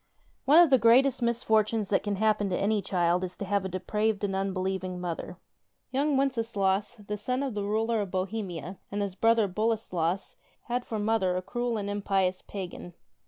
NE of the greatest misfortunes that cani happen to any child is to have a depraved and unbelieving mother. Young Wenceslaus, the son of the Ruler of Bohemia, and his brother Boleslas, had for mother a cruel and impious pagan.